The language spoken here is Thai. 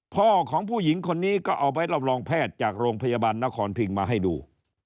พ่อของผู้หญิงคนนี้ก็เอาไปรับรองแพทย์จากโรงพยาบาลนครพิงมาให้ดู